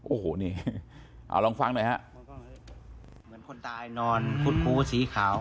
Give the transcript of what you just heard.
โอ้โหนี่เอาลองฟังหน่อยฮะ